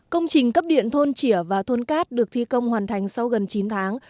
công trình cấp điện thôn chỉa và thôn cát được thi công hoàn thành sau gần chín tháng